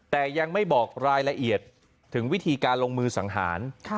แต่ยังไม่บอกรายละเอียดถึงวิธีการลงมือสังหาร